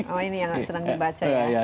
oh ini yang sedang dibaca ya